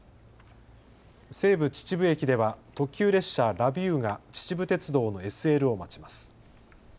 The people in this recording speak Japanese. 西武秩父駅では特急列車、Ｌａｖｉｅｗが秩父鉄道のＳＬを待ちます。